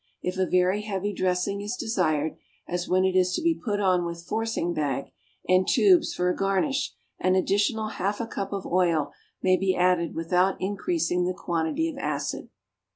If a very heavy dressing is desired, as when it is to be put on with forcing bag and tubes for a garnish, an additional half a cup of oil may be added without increasing the quantity of acid.